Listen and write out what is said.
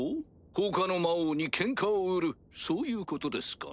他の魔王にケンカを売るそういうことですかな？